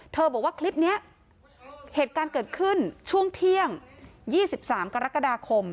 บอกว่าคลิปนี้เหตุการณ์เกิดขึ้นช่วงเที่ยง๒๓กรกฎาคม